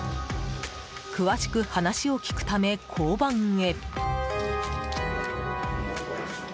詳しく話を聞くため交番へ。